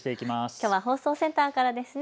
きょうは放送センターからですね。